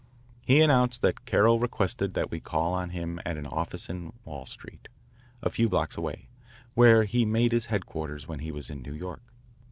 He announced that Carroll requested that we call on him at an office in Wall Street, a few blocks away, where he made his headquarters when he was in New York.